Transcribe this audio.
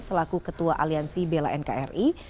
selaku ketua aliansi bela nkri